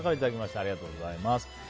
ありがとうございます。